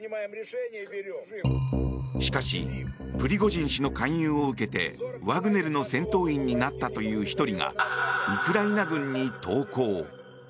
しかしプリゴジン氏の勧誘を受けてワグネルの戦闘員になったという１人がウクライナ軍に投降。